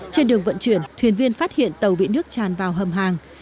trên đường vận chuyển thuyền viên phát hiện tàu bị nước tràn vào hầm hàng